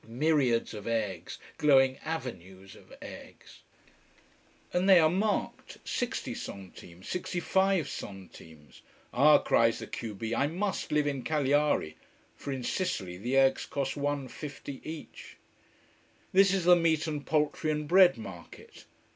Myriads of eggs, glowing avenues of eggs. And they are marked 60 centimes, 65 centimes. Ah, cries the q b, I must live in Cagliari For in Sicily the eggs cost 1.50 each. This is the meat and poultry and bread market.